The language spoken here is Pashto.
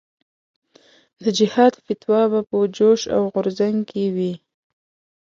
د جهاد فتوا به په جوش او غورځنګ کې وي.